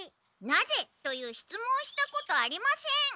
「なぜ？」という質問をしたことありません。